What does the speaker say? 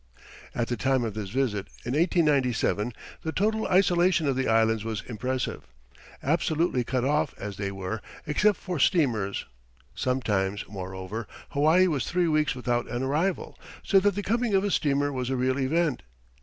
At the time of this visit, in 1897, the total isolation of the Islands was impressive, absolutely cut off, as they were, except for steamers. Sometimes, moreover, Hawaii was three weeks without an arrival, so that the coming of a steamer was a real event.